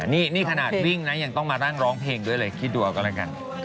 นี่ขนาดวิ่งนะยังต้องมานั่งร้องเพลงด้วยเลยคิดดูเอาก็แล้วกัน